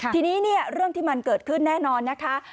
ทีนี้เนี่ยเรื่องที่มันเกิดขึ้นแน่นอนนะคะ